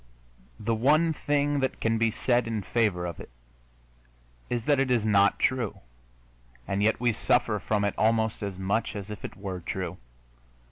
The one thing that can be said in favor of it is that it is not true, and yet we suffer from it almost as much as if it were true.